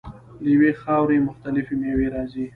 له یوې خاورې مختلفې میوې راځي.